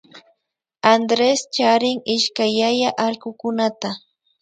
Andrés charin ishkay yaya allkukunata